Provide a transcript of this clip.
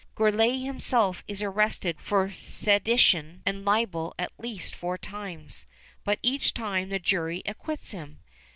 Gourlay himself is arrested for sedition and libel at least four times, but each time the jury acquits him.